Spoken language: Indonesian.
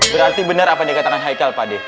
berarti bener apa yang dikatakan haikal pak di